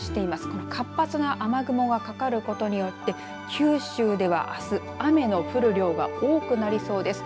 この活発な雨雲がかかることによって九州ではあす雨の降る量が多くなりそうです。